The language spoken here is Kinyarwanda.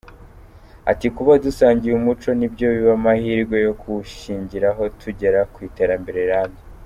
Ati “Kuba dusangiye umuco ni byo biba amahirwe yo kuwushingiraho tugera ku iterambere rirambye.